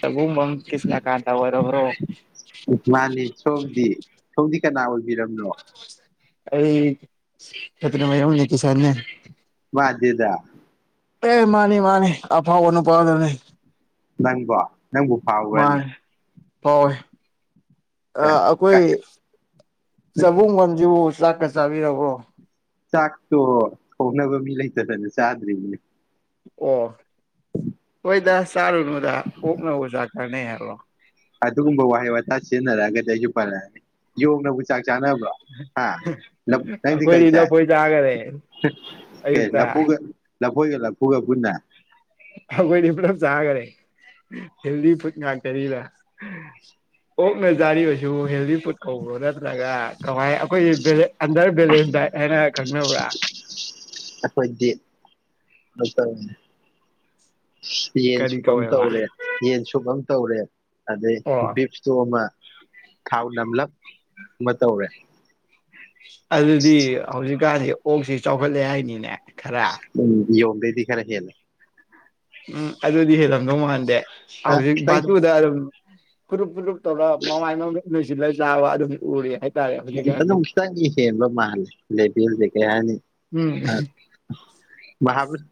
ꯇꯕꯨꯡꯕꯝ ꯀ꯭ꯔꯤꯁꯅꯀꯥꯟꯇ ꯑꯣꯏꯔꯕ꯭ꯔꯣ ꯃꯥꯅꯤ ꯁꯣꯝꯗꯤ ꯁꯣꯝꯗꯤ ꯀꯅꯥ ꯑꯣꯏꯕꯤꯔꯕꯅꯣ ꯑꯩ ꯈꯦꯇ꯭ꯔꯤꯃꯌꯨꯝ ꯅꯤꯀꯤꯁꯟꯅꯦ ꯃꯥꯟꯗꯦꯗꯥ ꯑꯦ ꯃꯥꯅꯤ ꯃꯥꯅꯤ ꯑꯐꯥꯎꯕ ꯅꯨꯄꯥꯗꯨꯅꯤ ꯅꯪꯕꯣ ꯅꯪꯕꯨ ꯐꯥꯎꯕ꯭ꯔꯅꯦ ꯃꯅꯦ ꯍꯣꯢ ꯑ ꯑꯩꯈꯣꯏ [unintelligible] ꯆꯥꯛꯀ ꯆꯥꯕꯤꯔꯕꯣ ꯆꯥꯛꯇꯣ ꯊꯣꯡꯅꯕ ꯃꯤ ꯂꯩꯇꯗꯅ ꯆꯥꯗ꯭ꯔꯤꯅꯦ ꯑꯣ ꯍꯣꯏꯗ ꯆꯔꯨ ꯅꯨꯗ ꯑꯣꯛꯅ ꯑꯣꯖꯥ ꯀꯥꯟꯅꯩ ꯍꯥꯢꯕꯔꯣ ꯑꯗꯨꯒꯨꯝꯕ ꯋꯥꯍꯩ ꯋꯥꯇꯥ ꯁꯤꯖꯤꯟꯅꯔꯛꯑꯒꯗꯤ ꯑꯩꯁꯨ ꯄꯜꯂꯉꯑꯅꯤ ꯌꯣꯛꯅꯕꯨ ꯆꯥꯛ ꯆꯥꯅꯕ꯭ꯔꯣ ꯍꯥ ꯅꯪꯗꯤ ꯀꯩ ꯑꯩꯈꯣꯏꯗꯤ ꯆꯥꯏ ꯂꯐꯣꯏ ꯆꯥꯈꯔꯦ ꯑꯌꯨꯛꯇ ꯂꯐꯨꯒ ꯂ ꯂꯐꯣꯏꯒ ꯂꯐꯨꯒ ꯄꯨꯟꯅ ꯑꯩꯈꯣꯏꯗꯤ ꯄꯨꯂꯞ ꯆꯥꯒ꯭ꯔꯦ ꯍꯦꯜꯗꯤ ꯐꯨꯗ ꯉꯥꯛꯇꯅꯤꯅ ꯑꯣꯛꯅ ꯆꯔꯤꯁꯤꯕꯨ ꯍꯦꯜꯗꯤ ꯐꯨꯗ ꯀꯧꯕ꯭ꯔꯣ ꯅꯠꯇ꯭ꯔꯒ ꯀꯃꯥꯏ ꯑꯩꯈꯣꯏꯗꯤ ꯄꯦꯂꯦ ꯑꯟꯗꯔ ꯕꯦꯂꯦꯁ ꯗꯥꯏꯠ ꯍꯥꯏꯅꯔꯒ ꯈꯪꯅꯕ꯭ꯔꯥ ꯑꯩꯈꯣꯏꯗꯤ ꯗꯣꯉꯇꯔꯅꯦ ꯌꯦꯟ ꯀꯔꯤ ꯁꯨꯕ ꯑꯝ ꯀꯧꯋꯦꯕ ꯇꯧꯔꯦ ꯌꯦꯟ ꯁꯨꯕ ꯑꯝ ꯇꯧꯔꯦ ꯑꯗꯩ ꯑꯣ ꯕꯤꯞꯇꯣ ꯑꯃ ꯊꯥꯎ ꯅꯝꯂꯞ ꯑꯃ ꯇꯧꯔꯦ ꯑꯗꯨꯗꯤ ꯍꯧꯖꯤꯛꯀꯥꯟꯗꯤ ꯑꯣꯛꯁꯤ ꯆꯥꯎꯈꯠꯂꯦ ꯍꯥꯏꯅꯤꯅꯦ ꯈꯔ ꯎꯝ ꯌꯣꯒꯗꯩꯗꯤ ꯈꯔ ꯍꯦꯜꯂꯦ ꯎꯝ ꯑꯗꯨꯗꯤ ꯍꯦꯜꯂꯝꯗꯧ ꯃꯥꯟꯗꯦ ꯑ ꯍꯧꯖꯤꯛ ꯈꯤꯇꯪ ꯕꯥꯁꯨꯗ ꯑꯗꯨꯝ ꯐꯨꯔꯨꯞ ꯐꯨꯔꯨꯞ ꯇꯧꯔꯒ ꯃꯃꯥꯏ ꯃꯃꯤꯠꯗ ꯅꯣꯏꯁꯤꯜꯂꯒ ꯆꯥꯕ ꯑꯗꯨꯝꯗꯤ ꯎꯔꯦ ꯑꯩ ꯑꯅꯧꯕꯒꯗꯤ ꯍꯦꯟꯕ ꯃꯥꯟꯂꯤ ꯂꯩꯇꯦꯕꯨ ꯂꯩꯇꯦ ꯍꯥꯢꯔꯅꯤ ꯎꯝ ꯑ ꯃꯍꯥꯕꯂ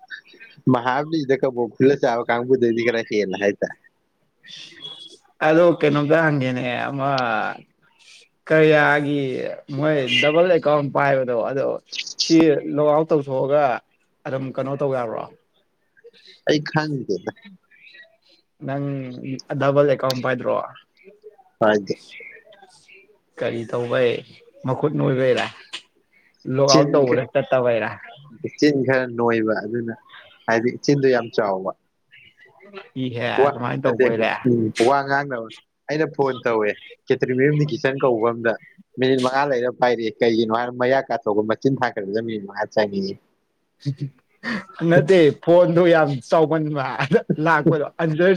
ꯃꯍꯥꯕꯂꯤꯗ ꯀꯕꯣꯛ ꯈꯨꯟꯁ ꯆꯥꯕ ꯀꯥꯡꯪꯕꯨꯗꯣꯏꯗꯤ ꯀꯔ ꯍꯦꯅ ꯍꯥꯏ ꯇ ꯑꯗꯣ ꯀꯩꯅꯣꯝꯇ ꯍꯪꯒꯦꯅꯦ ꯑꯃ ꯀꯔꯌꯥꯒꯤ ꯃꯣꯏ ꯗꯕꯜ ꯑꯦꯀꯥꯎꯟ ꯄꯥꯏꯕ ꯑꯗꯣ ꯑꯗꯣ ꯁꯤ ꯂꯣꯛ ꯑꯥꯎꯠ ꯇꯧꯊꯣꯛꯑꯒ ꯑꯗꯨꯝ ꯀꯩꯅꯣ ꯇꯧ ꯌꯥꯕ꯭ꯔꯣ ꯑꯩ ꯈꯉꯗꯦꯗ [inaudible] ꯅꯪ ꯈꯠꯅꯕ ꯂꯩ ꯀꯝꯄꯥꯏꯗꯣꯔ ꯐꯗꯦ ꯀꯔꯤ ꯇꯧꯕꯩ ꯃꯈꯨꯠꯅꯣꯏꯕꯩꯔꯥ ꯂꯣꯛ ꯆꯤꯟ ꯑꯥꯎꯠ ꯇꯧꯕꯗ ꯆꯠꯇꯕꯩꯔ ꯆꯤꯟ ꯈꯔ ꯅꯣꯏꯕ ꯑꯗꯨꯅ ꯍꯥꯏꯗꯤ ꯆꯤꯟꯗ ꯌꯥꯝ ꯆꯥꯎꯕ [inaudible] ꯋꯥ ꯑꯗꯨꯃꯥꯏꯅ ꯅꯠꯇꯦ ꯇꯧꯕ ꯎ ꯑꯣꯏꯔꯦ ꯋꯥ ꯉꯥꯡꯅꯕ ꯑꯩꯅ ꯐꯣꯟ ꯇꯧꯋꯦ ꯈꯦꯇ꯭ꯔꯤꯃꯌꯨꯝꯅꯤ ꯀꯤꯆꯟ ꯀꯧꯕ ꯑ ꯑꯃꯗ ꯃꯤꯅꯤꯠ ꯃꯉꯥ ꯂꯩꯔ ꯄꯥꯏꯔ ꯀꯩꯒꯤꯅꯣ ꯍꯥꯏ ꯃꯌꯥ ꯀꯥꯊꯣꯛꯒꯨꯝꯕ ꯆꯤꯟ ꯊꯥꯡꯒꯠꯄꯗ ꯃꯤꯅꯤꯠ ꯃꯉꯥ ꯆꯪꯑꯌꯦ ꯅꯠꯇꯦ ꯐꯣꯟꯗꯨ ꯌꯥꯝ ꯆꯥꯎꯃꯟꯕ ꯑꯥ ꯂꯥꯛꯄꯗꯣ ꯑꯟꯔ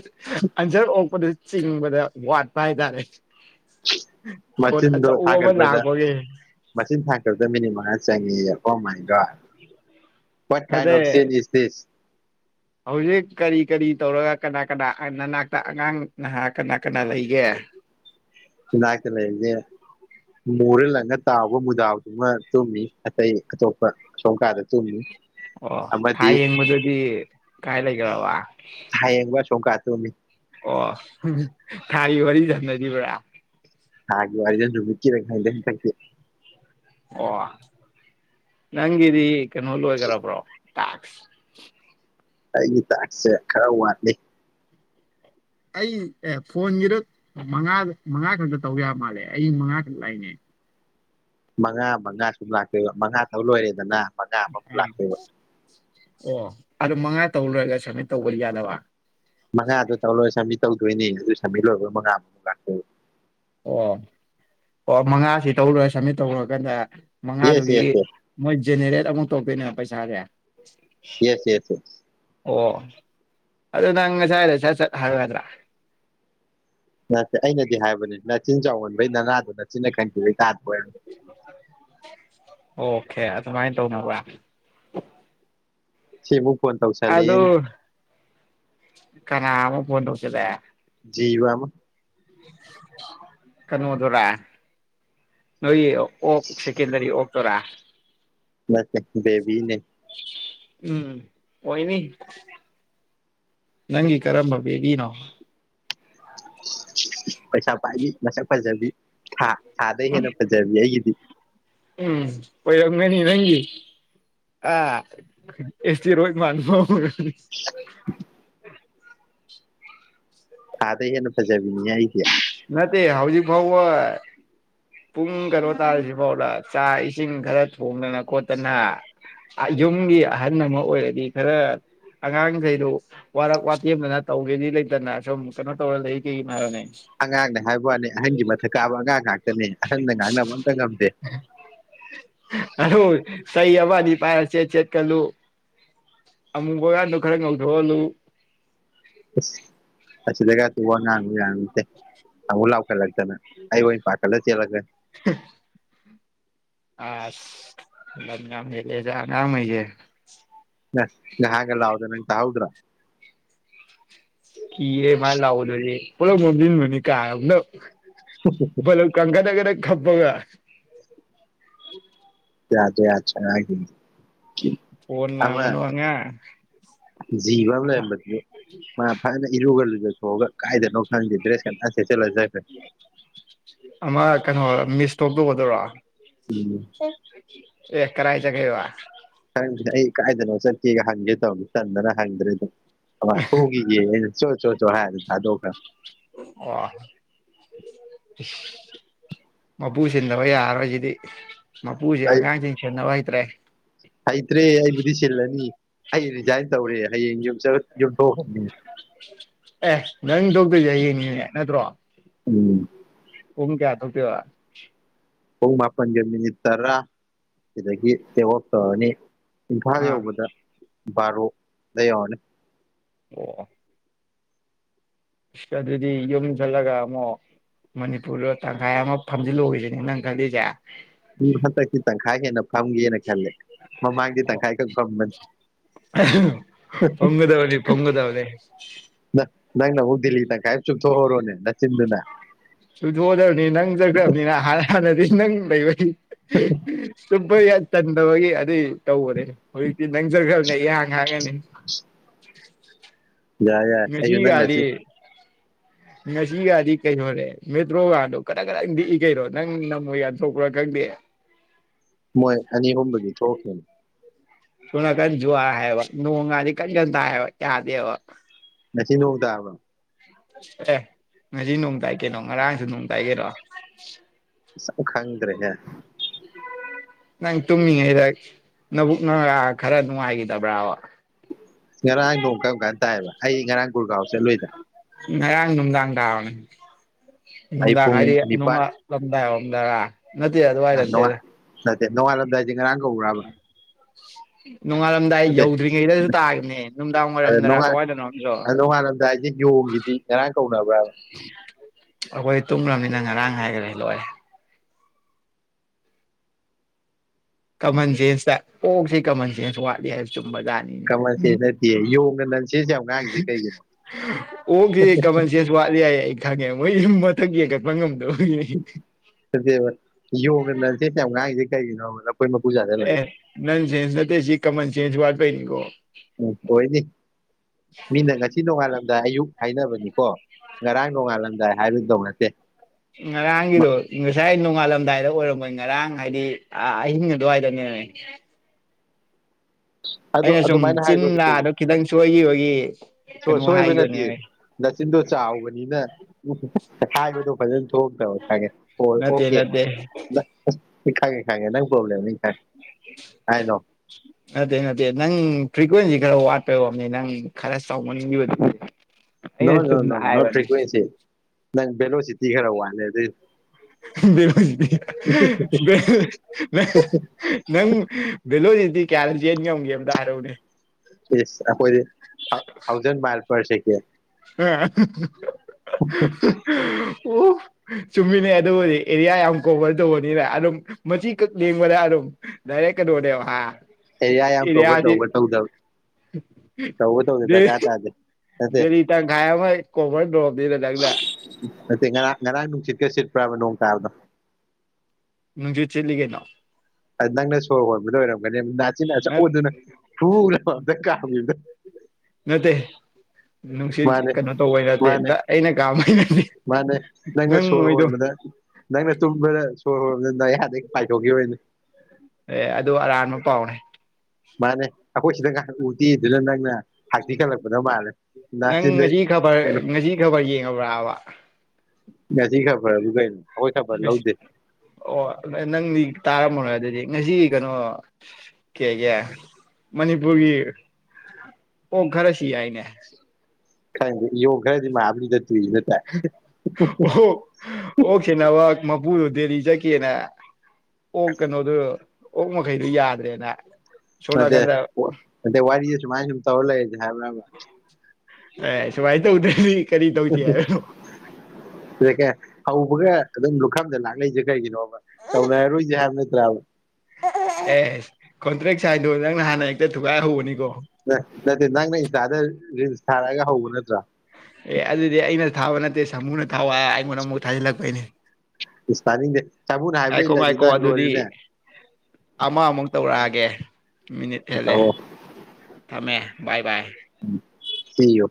ꯑꯟꯁꯔ ꯐꯣꯄ ꯄꯗ ꯆꯤꯡꯕꯗ ꯋꯥꯠꯄ ꯍꯥꯏꯇꯥꯔꯦ ꯐꯣꯟ ꯃꯆꯤꯟꯗꯣ ꯑꯆꯧꯕ ꯑꯃ ꯊꯥꯒꯠꯄꯗ ꯂꯥꯛꯄꯒꯤ ꯃꯆꯤꯟ ꯊꯥꯒꯠꯄꯗ ꯃꯤꯅꯤꯠ ꯃꯉꯥ ꯆꯪꯉꯦꯌ ꯑꯣ ꯃꯥꯏ ꯒꯣꯠ ꯍꯠ ꯀꯥꯟ ꯑꯣꯞ ꯆꯤꯟ ꯑꯗꯩ ꯏꯁ ꯗꯤꯁ ꯍꯧꯖꯤꯛ ꯀꯔꯤ ꯀꯔꯤ ꯇꯧꯔꯒ ꯀꯅꯥ ꯀꯅꯥ ꯅꯅꯥꯛꯇ ꯑꯉꯥꯡ ꯅꯍꯥ ꯀꯅꯥ ꯀꯅꯥ ꯂꯩꯒꯦ ꯥꯏꯅꯥꯛꯇꯥ ꯂꯩꯗ ꯌꯥꯔꯦ ꯃꯨꯔꯂꯒ ꯂꯪꯉ ꯇꯥꯎꯕ ꯃꯨꯗꯥꯎꯗꯨꯃ ꯇꯨꯝꯃꯤ ꯑꯇꯩ ꯑꯇꯣꯞꯄ ꯑꯁꯣꯝ ꯀꯥꯗ ꯇꯨꯝꯃꯤ ꯑꯣ ꯊꯥ ꯑꯃꯗꯤ ꯌꯦꯡꯕꯗꯗꯤ ꯀꯥꯏ ꯂꯩ [unintelligible] [unintelligible] [unintelligible] ꯑꯣ ꯊꯥꯒꯤ ꯋꯥꯔꯤ ꯁꯅꯔꯤꯕ꯭ꯔꯥ ꯊꯥꯒꯤ ꯋꯥꯔꯤꯔ ꯅꯨꯃꯤꯠꯀꯤꯔ ꯈꯪꯗꯦ ꯍꯟꯗꯛꯇꯤ ꯑꯣ ꯅꯪꯒꯤꯗꯤ ꯀꯩꯅꯣ ꯂꯣꯏꯒꯦꯕ꯭ꯔꯣ ꯇꯛꯂ ꯑꯩꯒꯤ ꯇꯥꯛꯁꯦ ꯈꯔ ꯋꯥꯠꯂꯤ ꯑꯩ ꯑꯦ ꯐꯣꯟꯒꯤꯗ ꯃꯉꯥ ꯃꯉꯥ ꯈꯛꯇ ꯇꯧ ꯌꯥꯕ ꯃꯥꯜꯂꯦ ꯑꯩ ꯃꯉꯥ ꯈꯛ ꯂꯥꯛꯑꯦꯅꯦ ꯃꯉꯥ ꯃꯉꯥ ꯁꯨꯝ ꯂꯥꯛꯇꯣꯏꯕ ꯃꯉꯥ ꯇꯧ ꯂꯣꯏꯔꯦꯗꯅ ꯃꯉꯥ ꯃꯨꯛ ꯑꯥ ꯂꯥꯛꯇꯣꯏꯕ ꯑꯣ ꯑꯗꯨ ꯃꯉꯥ ꯇꯧ ꯂꯣꯏꯔꯒ ꯁꯝꯃꯤꯠ ꯇꯧꯕ ꯌꯥꯗꯕ ꯃꯉꯥꯗꯣ ꯇꯧ ꯂꯣꯏꯔꯒ ꯁꯃꯤꯠ ꯇꯧꯗꯣꯏꯅꯦ ꯑꯗꯨ ꯁꯃꯤꯠ ꯂꯣꯏꯔꯒ ꯃꯉꯥ ꯑꯃꯨꯛ ꯂꯥꯛꯇꯣꯏꯕ ꯑꯣ ꯑꯣ ꯃꯉꯥꯁꯤ ꯇꯧꯂꯣꯏꯔ ꯁꯝꯃꯤꯠ ꯇꯧꯂꯣꯏꯔꯀꯥꯟꯗ ꯌꯦꯁ ꯃꯉꯥꯗꯨꯒꯤ ꯌꯦꯁ ꯃꯣꯏꯖꯅꯦꯔꯦꯇ ꯑꯃꯨꯛ ꯇꯣꯛꯇꯣꯏꯅꯦ ꯄꯩꯁꯥꯁꯦ ꯌꯦꯁ ꯌꯦꯁ ꯌꯦꯁ ꯑꯣ ꯑꯗꯨ ꯅꯪ ꯉꯁꯥꯏꯗ ꯁꯠ ꯁꯠ ꯍꯥꯏꯕꯌꯗ꯭ꯔꯥ ꯑꯩꯅꯗꯤ ꯍꯥꯏꯕꯅꯤ ꯅꯆꯤꯟ ꯆꯥꯎꯃꯟꯕꯩ ꯅꯅꯥꯗꯨ ꯅꯆꯤꯟꯅ ꯈꯟꯈꯤꯕꯩ ꯇꯥꯗꯕ ꯑꯣꯏꯕ ꯑꯣꯀꯦ ꯑꯗꯨꯃꯥꯏꯅ ꯇꯧꯅꯕ꯭ꯔ ꯁꯤꯕꯨ ꯐꯣꯟ ꯇꯧꯁꯟꯂꯦꯅꯦ ꯐꯣꯅ ꯇꯧꯁꯤꯟꯂꯦ ꯖꯤꯕ ꯑꯃ ꯀꯅꯣꯗꯨꯔꯥ ꯅꯣꯏ ꯑꯣꯛ ꯁꯦꯀꯦꯟꯗꯔꯤ ꯑꯣꯛ ꯇꯨꯔꯥ ꯅꯠꯇꯦ ꯕꯦꯕꯤꯅꯦ ꯎꯝ ꯑꯣꯏꯅꯤ ꯅꯪꯒꯤ ꯀꯔꯝꯕ ꯕꯦꯕꯤꯅꯣ ꯄꯩꯁꯥ ꯄꯥꯏꯕꯤ ꯃꯁꯛ ꯐꯖꯕꯤ ꯊꯥ ꯊꯥꯗꯩ ꯍꯦꯅ ꯐꯖꯕꯤ ꯑꯩꯒꯤꯗꯤ ꯎꯝ ꯑꯣꯏꯔꯝꯒꯅꯤ ꯅꯪꯒꯤ ꯑ ꯑꯦꯁꯇꯦꯔꯣꯇ ꯃꯥꯟꯕ ꯊꯥꯗꯩ ꯍꯦꯟꯅ ꯐꯖꯥꯕꯤꯅꯤ ꯑꯩ ꯅꯠꯇꯦ ꯍꯥꯎꯖꯤꯛ ꯐꯥꯎꯋ ꯄꯨꯡ ꯀꯩꯅꯣ ꯇꯥꯔꯁꯤ ꯐꯥꯎꯗ ꯆꯥꯛ ꯏꯁꯤꯡ ꯈꯔ ꯊꯣꯡꯗꯅ ꯈꯣꯠꯇꯅ ꯌꯨꯝꯒꯤ ꯑꯍꯟ ꯑꯃ ꯑꯣꯏꯔꯒꯤ ꯈꯔ ꯑꯉꯥꯡꯈꯩꯗꯨ ꯋꯥꯔꯛ ꯋꯥꯇꯦꯝꯗꯅ ꯇꯧꯒꯦꯗꯤ ꯂꯩꯇꯅ ꯁꯨꯝ ꯀꯩꯅꯣ ꯇꯧꯔ ꯂꯩ ꯀꯩꯒꯤꯅꯣ ꯍꯥꯏꯕꯅꯦ ꯑꯉꯥꯡꯅꯦ ꯍꯥꯏꯕ ꯋꯥꯅꯦ ꯑꯍꯟꯒꯤ ꯃꯊꯛ ꯀꯥꯕ ꯑꯉꯥꯡ ꯉꯥꯛꯇꯅꯦ ꯑꯍꯜꯅ ꯉꯥꯡꯅꯕ ꯑꯝꯇ ꯉꯝꯗꯦ ꯑꯗꯨ ꯆꯩ ꯑꯃ ꯑꯅꯤ ꯄꯥꯏꯔ ꯆꯦꯠ ꯆꯦꯠ ꯀꯜꯂꯨ ꯑꯃꯨꯕꯒꯗꯨ ꯈꯔ ꯉꯧꯊꯣꯛꯍꯜꯂꯨ [inaudible] ꯑꯁꯤꯗꯒ ꯋꯥ ꯉꯥꯡꯉꯨ ꯌꯥꯔꯔꯣꯏꯁꯦ ꯑꯃꯨꯛ ꯂꯥꯎꯈꯠꯂꯛꯇꯅ ꯑꯩ ꯑꯣꯏ ꯄꯥꯈꯠꯂ ꯆꯦꯟꯂꯛꯀꯅꯤ ꯑꯁ ꯂꯝ ꯌꯝ ꯍꯦꯜꯂꯦꯗ ꯑꯉꯥꯝꯒꯩꯖꯦ ꯅꯍꯥꯒ ꯂꯥꯎꯗ ꯅꯪ ꯇꯥꯍꯧꯗ꯭ꯔꯥ ꯀꯤꯔꯦ ꯃꯥ ꯂꯥꯎꯗꯔꯤꯌꯦ [unintelligible] [unintelligible] ꯈꯞꯄꯒ ꯥ [unintelligible] ꯐꯣꯟ ꯂꯥꯝꯒꯅꯨ ꯑꯉꯥꯡ ꯖꯤꯕ ꯑꯃ ꯂꯩꯔꯝꯕꯗꯨ ꯃꯥ ꯐꯖꯅ ꯏꯔꯨꯒꯂꯨ ꯂꯨꯖꯊꯣꯛꯑꯒ ꯀꯥꯏꯗꯅꯣ ꯈꯪꯗꯦ ꯗ꯭ꯔꯦꯁꯀ ꯅꯥꯟ ꯥꯁꯦꯠꯆꯜꯂꯥ ꯆꯠꯈꯦ ꯑꯃ ꯀꯩꯅꯣ ꯃꯤꯁꯇꯣꯞ ꯇꯧꯒꯗꯣꯏꯔꯣ ꯁꯦ ꯑꯦ ꯀꯔꯥꯏ ꯆꯠꯈꯤꯕ ꯈꯪꯗꯦꯗ ꯑꯩ ꯀꯥꯏꯗꯅꯣ ꯆꯠꯀꯦꯒ ꯍꯪꯒꯦ ꯇꯧꯔꯝꯕꯅꯦ ꯇꯟꯗꯅ ꯍꯪꯗ꯭ꯔꯦ ꯗꯨꯝ ꯑꯃꯥ ꯊꯣꯛꯎꯒꯤꯒꯦꯌꯦ ꯑꯩꯅ ꯆꯣ ꯆꯣ ꯆꯣ ꯍꯥꯏꯔ ꯑꯗꯨꯝ ꯊꯥꯗꯣꯛꯈ꯭ꯔꯝꯅꯦ ꯃꯥꯄꯨ ꯁꯤꯟꯗꯕ ꯌꯥꯔꯔꯣꯏ ꯖꯤꯗꯤ ꯃꯥꯄꯨꯖꯤ ꯑꯩ ꯑꯉꯥꯡ ꯖꯤꯡ ꯁꯦꯅꯕ ꯍꯩ ꯇ꯭ꯔꯦ ꯍꯩꯇ꯭ꯔꯦ ꯑꯩꯕꯨꯗꯤ ꯁꯤꯜꯂꯅꯤ ꯑꯩ ꯔꯤꯖꯥꯏꯟ ꯇꯧꯔꯦ ꯍꯌꯦꯡ ꯌꯨꯝꯆꯠ ꯌꯨꯝꯊꯣꯛꯈꯔꯥꯅꯤ ꯑꯦ ꯅꯪ ꯊꯣꯛꯇꯣꯏꯖꯦ ꯍꯌꯦꯡꯅꯤꯅꯦ ꯅꯠꯇ꯭ꯔꯣ ꯎꯝ ꯄꯨꯡ ꯀꯌꯥ ꯊꯣꯛꯇꯣꯏꯕ ꯄꯨꯡ ꯃꯥꯄꯟꯒ ꯃꯤꯅꯤꯠ ꯇꯔꯥ ꯁꯤꯗꯒꯤ ꯇꯦꯛ ꯑꯣꯞ ꯇꯧꯔꯅꯤ ꯏꯝꯐꯥꯜ ꯑꯥ ꯌꯧꯕꯗ ꯕꯔꯣ ꯗ ꯌꯧꯔꯅꯤ ꯑꯣ ꯑ ꯑꯗꯨꯗꯤ ꯌꯨꯝ ꯆꯠꯂꯒ ꯑꯃꯨꯛ ꯃꯅꯤꯄꯨꯔꯗ ꯇꯪꯈꯥꯏ ꯑꯃ ꯐꯝꯖꯤꯜ ꯂꯨꯏꯔꯖꯤ ꯅꯪ ꯈꯜꯂꯤꯁꯦ ꯎꯝ ꯍꯟꯗꯛꯇꯤ ꯇꯪꯈꯥꯏ ꯍꯦꯟꯅ ꯐꯝꯒꯦꯅ ꯈꯜꯂꯦ ꯃꯃꯥꯡꯗꯤ ꯇꯪꯈꯥꯏꯈꯛ ꯐꯝꯕꯅꯤ ꯐꯝꯒꯗꯕꯅꯤ ꯐꯝꯒꯗꯕꯅꯤ ꯅꯪ ꯅꯪꯅ ꯑꯃꯨꯛ ꯗꯤꯜꯂꯤ ꯇꯪ ꯈꯥꯏ ꯆꯨꯞꯊꯣꯛꯍꯧꯔꯣꯅꯦ ꯅꯆꯤꯟꯗꯨꯅ ꯆꯨꯞꯊꯣꯛꯑꯗꯕꯅꯤ ꯅꯪ ꯆꯠꯈ꯭ꯔꯥꯕꯅꯤꯅ ꯍꯥꯏ ꯍꯥꯟꯅ [unintelligible] [unintelligible] [unintelligible] ꯇꯟꯗꯕꯒꯤ ꯑꯗꯨꯏ ꯇꯧꯕꯅꯦ ꯍꯧꯖꯤꯛ ꯅꯪ ꯆꯠꯈꯔꯀꯥꯟꯗ ꯍꯥꯡ ꯍꯥꯡꯉꯅꯤ [inaudible] ꯌꯥꯏ ꯌꯥꯏ ꯑꯩꯖꯨ ꯅꯪ ꯅꯆꯤꯟ ꯉꯁꯤꯒꯥꯗꯤ ꯀꯩꯅꯣꯅꯦ ꯃꯦꯇ꯭ꯔꯣ ꯒꯗꯣ ꯒꯗꯛ ꯒꯗꯛ ꯅꯤꯛꯏ ꯀꯩꯅꯣ ꯅꯪ ꯅꯥꯃꯣꯏ ꯌꯥꯝ ꯊꯣꯛꯄ꯭ꯔꯥ ꯈꯪꯗꯦ ꯃꯣꯏ ꯑꯅꯤ ꯑꯍꯨꯝꯕꯨꯒꯤ ꯊꯣꯛꯈꯤꯝꯅꯦ ꯁꯣꯝ ꯅꯥꯀꯟ ꯖ꯭ꯋꯥꯔ ꯍꯥꯌꯦꯕ ꯅꯣꯡꯒꯁꯤ ꯀꯟ ꯀꯟ ꯇꯥꯢꯌꯦꯕ ꯌꯥꯗꯦꯕ ꯉꯁꯤ ꯅꯣꯡ ꯇꯥꯕ꯭ꯔꯣ ꯑꯦ ꯉꯁꯤ ꯅꯣꯡꯇꯥꯏ ꯀꯩꯅꯣ ꯉꯔꯥꯡꯁꯨ ꯅꯣꯡꯇꯥꯏ ꯀꯩꯅꯣ ꯑꯁ ꯈꯪꯗ꯭ꯔꯦꯅꯦ ꯅꯪ ꯇꯨꯝꯃꯤꯉꯩꯗ ꯅꯕꯨꯛ ꯅꯔ ꯈꯔ ꯅꯨꯡꯉꯥꯏꯈꯤꯗꯕ꯭ꯔꯕ ꯉꯔꯥꯡ ꯅꯣꯡ ꯀꯔꯝꯀꯥꯟ ꯇꯥꯏꯕ ꯑꯩ ꯉꯔꯥꯡ ꯒꯨꯔꯒꯥꯎ ꯆꯠꯂꯨꯏꯗ ꯉꯔꯥꯡ ꯅꯨꯡꯗꯥꯡ ꯇꯥꯕꯅꯦ ꯑꯩ ꯅꯨꯝꯗꯥꯡ ꯍꯥꯏꯗꯤ ꯄꯨꯡ ꯅꯤꯄꯥꯜ ꯅꯣꯡꯉ ꯂꯝꯗꯥꯢ ꯑꯣꯢꯔꯝꯅꯤ ꯇꯔ ꯅꯇꯦ ꯑꯗꯨꯌꯥꯏꯗ ꯅꯣꯡꯉꯥꯜ ꯅꯇꯦꯗ ꯅꯠꯇꯦ ꯅꯣꯉꯥꯂꯝꯗꯥꯢ ꯉꯔꯥꯡ ꯀꯧꯕ꯭ꯔꯕ [unintelligible] ꯅꯣꯡꯉꯥꯜꯂꯝꯗꯥꯏ ꯅꯠꯇꯦ ꯌꯧꯗ꯭ꯔꯤꯉꯩꯗꯁꯨ ꯇꯥꯏꯅꯦ ꯅꯨꯡꯗꯥꯡ ꯑꯗ ꯋꯥꯏꯔꯝꯗꯔ ꯅꯣꯡꯉꯥꯜ ꯀꯋꯥꯏꯗꯅꯣ ꯑꯝꯁꯨ ꯅꯣꯡꯉꯥꯜꯂꯝꯗꯥꯏꯁꯦ ꯌꯣꯡꯒꯤꯗꯤ ꯉꯔꯥꯡ ꯀꯧꯅꯕ꯭ꯔꯕ ꯑꯩꯈꯣꯏ ꯇꯨꯝꯈ꯭ꯔꯃꯤꯅ ꯉꯔꯥꯡ ꯍꯥꯏꯈ꯭ꯔꯦ ꯂꯣꯏꯔꯦ ꯀꯃꯟ ꯖꯦꯟꯁꯇ ꯑꯣꯛꯁꯤ ꯀꯃꯟ ꯖꯦꯟꯁ ꯋꯥꯠꯂꯤ ꯍꯥꯏꯕ ꯆꯨꯝ ꯕꯖꯥꯠꯅꯤꯅꯦ ꯀꯃꯟ ꯁꯦꯟꯁ ꯅꯠꯇꯦ ꯌꯣꯡꯅ ꯅꯟꯁꯦꯟꯁ ꯌꯥꯝ ꯉꯥꯡꯉꯤꯁꯦ ꯀꯩꯒꯤꯅꯣ ꯑꯣꯛꯀꯤ ꯀꯃꯟ ꯁꯦꯟꯁ ꯋꯥꯠꯂꯤ ꯍꯥꯏ ꯊꯥꯡꯉꯦ ꯃꯣꯏ ꯌꯨꯝ ꯃꯊꯛ ꯌꯦꯡꯈꯠꯄ ꯉꯝꯗꯕ ꯌꯣꯡꯒꯅ ꯅꯟꯁꯦꯟꯁ ꯌꯥꯝ ꯉꯥꯡꯏꯁꯤ ꯀꯩꯒꯤꯅꯣꯕ ꯃꯀꯨ ꯆꯥꯁꯤꯜꯂꯒ ꯑꯦ ꯅꯟꯁꯦꯟꯁ ꯅꯠꯇꯦ ꯁꯤ ꯀꯃꯟ ꯁꯦꯟꯁ ꯋꯥꯠꯄꯩꯅꯤꯀꯣ ꯎ ꯑꯣꯏꯅꯤ ꯃꯤꯅ ꯉꯁꯤ ꯅꯣꯡꯉꯥꯜꯂꯝꯗꯥꯏ ꯑꯌꯨꯛ ꯍꯥꯏꯅꯕꯅꯤꯀꯣ ꯉꯔꯥꯡ ꯅꯣꯡꯉꯥꯜꯂꯝꯗꯥꯏ ꯍꯥꯏꯒꯗꯧ ꯅꯠꯇꯦ ꯉꯔꯥꯡꯒꯤꯗꯣ ꯉꯁꯥꯏ ꯅꯣꯡꯉꯥꯂꯝꯝꯗꯏꯗ ꯑꯣꯏꯔꯝꯃꯅꯤ ꯉꯔꯥꯡ ꯍꯥꯏꯗꯤ ꯑꯍꯤꯡ ꯑꯗꯨꯋꯥꯏꯗꯅꯦ ꯑꯗꯣ ꯑꯩꯅ ꯁꯨꯝ ꯑꯗꯨꯃꯥꯏꯅ ꯍꯥꯏꯕ ꯆꯤꯟꯂꯥꯗꯣ ꯈꯤꯇꯪ ꯁꯣꯏꯈꯤꯕꯒꯤ ꯀꯩꯅꯣ ꯁꯣꯏꯕ ꯅꯠꯇꯦ ꯍꯥꯏꯈꯤꯕꯅꯦ ꯅꯆꯤꯟꯗꯣ ꯆꯥꯎꯕꯅꯤꯅ ꯍꯥꯏꯕꯗꯣ ꯐꯖꯅ ꯊꯣꯛꯇꯕ ꯈꯪꯉꯦ ꯑꯣꯜ ꯅꯠꯇꯦ ꯑꯣꯀꯦ ꯅꯠꯇꯦ ꯈꯡꯉꯦ ꯈꯡꯉꯦ ꯅꯪ ꯄ꯭ꯔꯣꯕ꯭ꯂꯦꯝ ꯑꯩ ꯍꯥꯏꯅꯣ ꯅꯠꯇꯦ ꯅꯠꯇꯦ ꯅꯪ ꯐ꯭ꯔꯤꯀ꯭ꯋꯦꯟꯁꯤ ꯈꯔ ꯋꯥꯠꯄꯩ ꯑꯣꯢꯔꯝꯅꯤ ꯅꯪ ꯈꯔ ꯆꯥꯎꯃꯟꯒꯤꯕꯩ ꯅꯣ ꯅꯣ ꯅꯣ ꯅꯣꯠ ꯐ꯭ꯔ꯭ꯋꯁꯤ ꯅ ꯕꯦꯂꯣꯁꯤ ꯏ ꯈꯔꯥ ꯋꯥꯠꯂꯦ ꯑꯗꯨꯢꯅꯤ ꯅꯪ ꯚꯦꯂꯣꯔꯤꯗꯤ ꯀꯌꯥꯔꯛ ꯆꯦꯟ ꯉꯝꯒꯦ ꯑꯃ ꯇ ꯍꯥꯏꯔꯛꯎꯅꯦ ꯏꯁ ꯑꯩꯈꯣꯏꯗꯤ ꯍꯧ ꯍꯎꯖꯟ [unintelligible] ꯄꯩꯁ ꯀꯌꯥ ꯑꯦ [unintelligible] [unintelligible] ꯑꯣ ꯆꯨꯝꯃꯤꯟꯅꯩ ꯑꯗꯨꯕꯨꯗꯤ ꯑꯦꯔꯤꯌꯥ ꯌꯥꯝ ꯀꯣꯚꯔ ꯇꯧꯕꯅꯤꯅ ꯑꯗꯨꯝ ꯃꯆꯤꯀꯛ ꯂꯦꯡꯕꯅ ꯑꯗꯨꯝ ꯗꯥꯏꯔꯦꯛ ꯀꯩꯅꯣꯅꯦꯕ ꯍꯥ ꯑꯦꯔꯤꯌꯥ ꯌꯥꯝ ꯀꯣꯕꯔ ꯇꯧꯕ ꯇꯧꯗꯕ ꯇꯧꯕ ꯇꯧꯗ ꯗ ꯗꯔꯀꯥꯔ ꯇꯥꯗꯦ ꯗꯦꯂꯤ ꯇꯡꯈꯥꯢ ꯀꯣꯕꯔꯗꯣ ꯅꯇꯦ ꯉꯔꯥꯡ ꯉꯔꯥꯡ ꯅꯨꯡꯁꯤꯠꯀꯥ ꯁꯤꯠꯄ꯭ꯔꯥꯕ ꯅꯣꯡ ꯇꯥꯕꯗꯣ ꯅꯨꯡꯁꯨꯨꯠ ꯁꯤꯠꯂꯤ ꯀꯩꯅꯣ ꯅꯪꯅ ꯁꯣꯔ ꯍꯣꯟꯕꯗ ꯑꯣꯏꯔꯝꯒꯅꯤ ꯅꯆꯤꯟ ꯑꯆꯧꯕꯗꯨꯅ ꯐꯨ ꯂꯥꯎꯅ ꯑꯝꯇ ꯀꯥꯝꯒꯤꯕꯗ ꯅꯠꯇꯦ ꯅꯨꯡꯁꯤꯠ ꯃꯥꯅꯦ ꯀꯩꯅꯣ ꯇꯧꯕꯩ ꯅꯠꯇꯦ ꯃꯥꯅꯦ ꯑꯩꯅ ꯀꯥꯝꯕꯩ ꯅꯠꯇꯦ ꯃꯥꯅꯦ ꯅꯪꯅ ꯅꯪ ꯁꯣꯔ ꯃꯣꯏꯗꯣ ꯍꯣꯟꯕꯗ ꯅꯪꯅ ꯇꯨꯝꯕꯗ ꯁꯣꯔ ꯍꯣꯟꯕꯗ ꯅꯌꯥꯗꯩ ꯄꯥꯏꯊꯣꯛꯈꯤꯕꯩꯅꯤ ꯑꯦ ꯑꯗꯨ ꯑꯔꯥꯟꯕ ꯄꯥꯎꯅꯦ [inaudible] ꯃꯥꯅꯦ ꯑꯩꯈꯣꯏ ꯁꯤꯗ ꯎꯗꯦ ꯍꯥꯢꯗꯨꯗ ꯅꯪꯅ ꯍꯥꯛꯊꯤ ꯈꯜꯂꯛꯄꯗꯣ ꯃꯥꯜꯂꯦ ꯅꯪ ꯅꯥꯆꯤꯟꯗꯩ ꯉꯁꯤ ꯈꯕꯔ ꯀꯩꯅꯣ ꯉꯁꯤ ꯈꯕꯔ ꯌꯦꯡꯉꯕ꯭ꯔꯥꯕ ꯍꯥꯏꯕ ꯉꯁꯤ ꯈꯕꯔꯕꯨ ꯀꯩꯅꯣ ꯑꯩꯈꯣꯏ ꯈꯕꯔ ꯂꯧꯗꯦ ꯑꯣ ꯅꯪꯗꯤ ꯇꯥꯔꯝꯃꯔꯣꯏ ꯑꯗꯨꯗꯤ ꯉꯁꯤ ꯀꯩꯅꯣ ꯀꯩꯑꯥꯢꯒꯦ ꯃꯅꯤꯄꯨꯔꯒꯤ ꯑꯣꯛ ꯈꯔ ꯁꯤ ꯍꯥꯏꯅꯦ [unintelligible] ꯌꯣꯡ ꯈꯔꯗꯤ ꯃꯥꯍꯥꯕꯂꯤꯗ ꯇꯨꯢ ꯍꯥꯢꯅ ꯇꯥꯢ ꯄꯨ ꯗꯦꯂꯤ ꯆꯠꯈꯤꯑꯅ ꯑꯣꯛ ꯀꯩꯅꯣ ꯗꯨ ꯑꯣꯛ ꯃꯈꯩꯗꯨ ꯌꯥꯗ꯭ꯔꯦꯅ ꯁꯣꯝ ꯅꯇꯦ ꯅꯥꯀꯟꯗ ꯄꯣ ꯋꯥꯔꯤ ꯑꯗꯨꯃꯥꯢ ꯑꯗꯨꯝ ꯇꯧꯔ ꯂꯩ ꯍꯥꯢꯕ꯭ꯔꯕ ꯑꯦ ꯁꯨꯃꯥꯢ ꯇꯧꯗꯧꯅꯤ ꯀꯔꯤ ꯇꯧꯁꯤ ꯍꯥꯢꯅꯣ ꯍꯧꯕꯒ ꯑꯗꯨꯝ ꯂꯨꯈꯝꯗ ꯂꯥꯛꯂꯛꯏꯁꯦ ꯀꯩꯒꯤꯅꯣꯕ ꯇꯧꯅꯔꯔꯣꯏꯁꯦ ꯍꯥꯏꯕ ꯅꯠꯇ꯭ꯔꯕ ꯑꯦ ꯀꯗ꯭ꯔꯦ [unintelligible] ꯁꯥꯏꯟꯗꯣ ꯅꯪ ꯅꯥ ꯍꯥꯟꯅ ꯍꯛꯇ ꯊꯨꯒꯥꯏꯍꯧꯕꯅꯤꯀꯣ ꯅꯠꯇꯦ ꯅꯪꯅ ꯏꯟꯁꯇꯥꯗ ꯔꯤꯜꯁ ꯊꯥꯔꯛꯑꯒ ꯍꯧꯕ ꯅꯠꯇ꯭ꯔꯥ ꯑꯦ ꯑꯗꯨꯗꯤ ꯑꯩꯅ ꯊꯥꯕ ꯅꯠꯇꯦ ꯁꯃꯨꯅ ꯊꯋꯣ ꯍꯥꯏ ꯑꯩꯉꯣꯟꯗ ꯑꯃꯨꯛ ꯊꯥꯖꯤꯜꯂꯛꯄꯩꯅꯤ ꯏꯁ ꯇꯥꯅꯤꯡꯗꯦ ꯁꯥꯃꯨꯅ ꯍꯥꯏꯕ ꯉꯥꯏꯈꯣ ꯏꯜꯂꯗꯤ ꯉꯥꯏꯈꯣ ꯅꯪ ꯑꯗꯨꯗꯤ ꯂꯣꯏꯔꯦꯅꯦ ꯑꯃ ꯑꯃꯨꯛ ꯇꯧꯔꯛꯑꯒꯦ ꯃꯤꯅꯤꯠ ꯍꯦꯜꯂꯦ ꯇꯧꯑꯣ ꯊꯝꯃꯦ ꯕꯥꯏ ꯕꯥꯏ ꯑꯝ ꯁꯤꯏꯎ